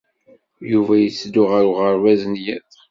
Yuba yetteddu ɣer uɣerbaz n yiḍ.